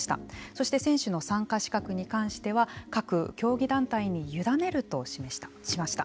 そして、選手の参加資格に関しては各競技団体に委ねるとしました。